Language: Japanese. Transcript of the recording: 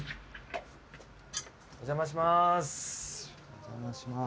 お邪魔します。